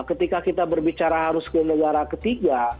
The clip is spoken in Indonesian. ketika kita berbicara harus ke negara ketiga